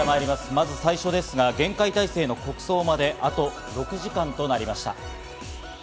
まず最初ですが、厳戒態勢の国葬まであと６時間となりました。